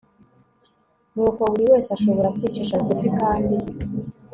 ni uko buri wese ashobora kwicisha bugufi kandi